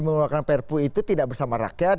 memperkuat prpu itu tidak bersama rakyat